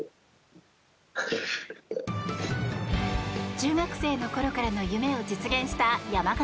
中学生の頃からの夢を実現した山縣。